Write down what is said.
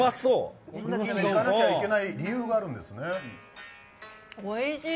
一気にいかなきゃいけない理由があるんですね。